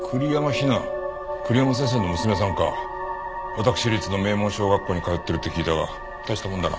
私立の名門小学校に通ってるって聞いたが大したもんだな。